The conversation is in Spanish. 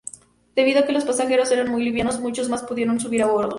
Debido a que los pasajeros eran muy livianos, muchos más pudieron subir a bordo.